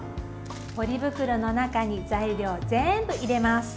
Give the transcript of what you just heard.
ポリ袋の中に材料全部入れます。